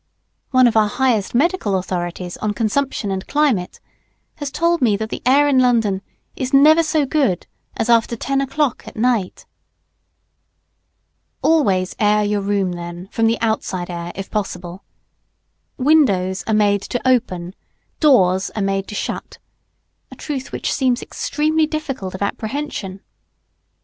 One of our highest medical authorities on Consumption and Climate has told me that the air in London is never so good as after ten o'clock at night. [Sidenote: Air from the outside. Open your windows, shut your doors.] Always air your room, then, from the outside air, if possible. Windows are made to open; doors are made to shut a truth which seems extremely difficult of apprehension.